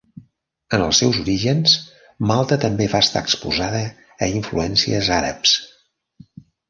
En els seus orígens, Malta també va estar exposada a influències àrabs.